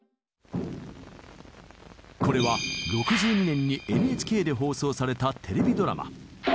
これは６２年にＮＨＫで放送されたテレビドラマ。